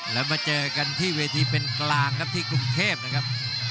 แล้วมาเจอกันที่เวทีเป็นกลางครับที่กรุงเทพนะครับ